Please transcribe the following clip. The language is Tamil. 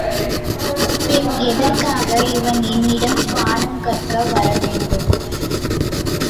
பின் எதற்காக இவன் என்னிடம் பாடம் கற்க வரவேண்டும்?